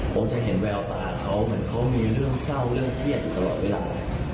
ผมจะเห็นแววตาเขาเหมือนเขามีเรื่องเศร้าเรื่องเครียดอยู่ตลอดเวลา